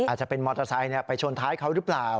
อาจจะเป็นมอเตอร์ไซค์ไปชนท้ายเขาหรือเปล่า